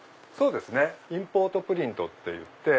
インポートプリントっていって。